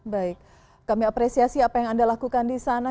baik kami apresiasi apa yang anda lakukan di sana